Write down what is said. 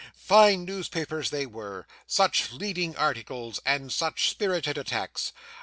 Fine newspapers they were. Such leading articles, and such spirited attacks!